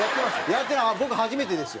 僕、初めてですよ。